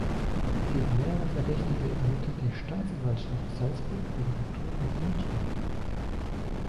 Gegen mehrere Verdächtige ermittelt die Staatsanwaltschaft Salzburg wegen Betrug und Untreue.